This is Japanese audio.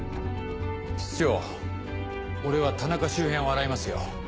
室長俺は田中周辺を洗いますよ。